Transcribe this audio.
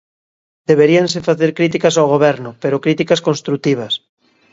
Deberíanse facer críticas ao Goberno, pero críticas construtivas.